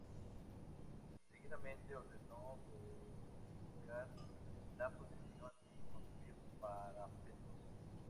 Seguidamente ordenó fortificar la posición y construir parapetos.